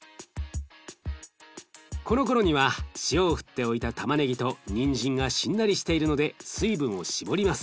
このころには塩を振っておいたたまねぎとにんじんがしんなりしているので水分を絞ります。